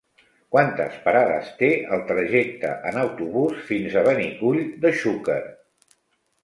Quantes parades té el trajecte en autobús fins a Benicull de Xúquer?